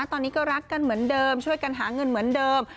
ตอนนี้ก็รักกันเหมือนเดิมช่วยกันหาเงินเหมือนเดิม